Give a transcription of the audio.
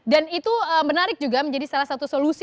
dan itu menarik juga menjadi salah satu solusi